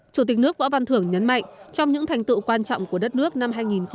chủ tịch nước võ văn thưởng nhấn mạnh trong những thành tựu quan trọng của đất nước năm hai nghìn một mươi tám